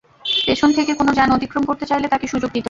পেছন থেকে কোনো যান অতিক্রম করতে চাইলে তাকে সুযোগ দিতে হবে।